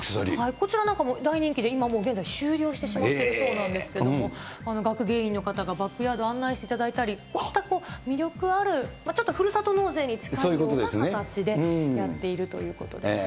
こちら大人気で今、終了してしまっているそうなんですけど、学芸員の方がバックヤードを案内していただいたり、こういった魅力ある、ちょっとふるさと納税に近いような形でやっているということですね。